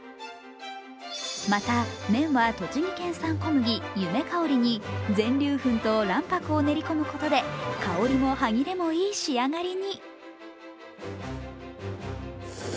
また麺は栃木県産小麦・ゆめかおりに全粒粉と卵白を練り込むことで香りも歯切れもいい仕上がりに。